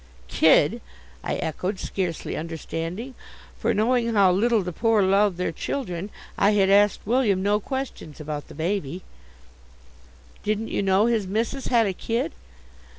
"Kid!" I echoed, scarcely understanding, for knowing how little the poor love their children, I had asked William no questions about the baby. "Didn't you know his missis had a kid?"